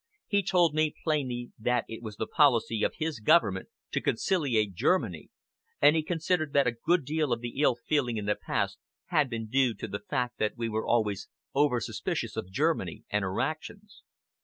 He told me plainly that it was the policy of his government to conciliate Germany, and he considered that a good deal of the ill feeling in the past had been due to the fact that we were always over suspicious of Germany and her actions.